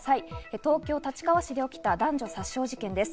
東京・立川市で起きた男女殺傷事件です。